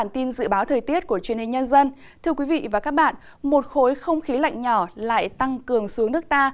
thưa quý vị và các bạn một khối không khí lạnh nhỏ lại tăng cường xuống nước ta